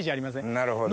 なるほど。